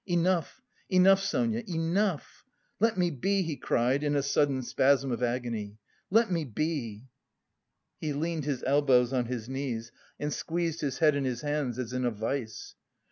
Enough, enough, Sonia, enough! Let me be!" he cried in a sudden spasm of agony, "let me be!" He leaned his elbows on his knees and squeezed his head in his hands as in a vise.